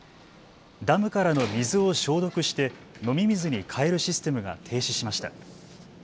ダムからの水を消毒して飲み水に変えるシステムが停止しました。